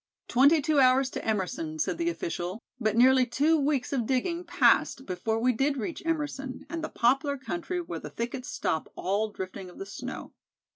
"Twenty two hours to Emerson," said the official; but nearly two weeks of digging passed before we did reach Emerson, and the poplar country where the thickets stop all drifting of the snow.